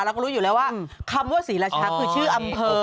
เราก็รู้อยู่แล้วว่าคำว่าศรีราชาคือชื่ออำเภอ